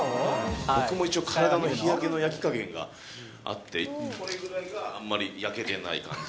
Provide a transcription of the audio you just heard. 僕も一応、体の日焼けの焼き加減があって、あんまり焼けてない感じ。